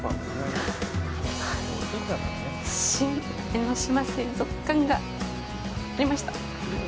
新江ノ島水族館がありました。